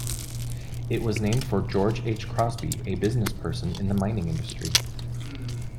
It was named for George H. Crosby, a businessperson in the mining industry.